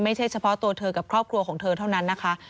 เฉพาะตัวเธอกับครอบครัวของเธอเท่านั้นนะคะ